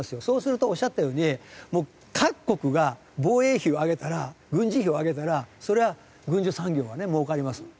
そうするとおっしゃったようにもう各国が防衛費を上げたら軍事費を上げたらそれは軍需産業はねもうかります。